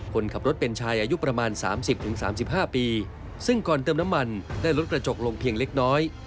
คนขับรถเป็นชายอายุประมาณ๓๐๓๕ปีซึ่งก่อนเติมน้ำมันได้ลดกระจกลงเพียงเล็กน้อย